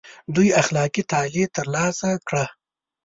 دوی اخلاقي تعالي تر لاسه کړي.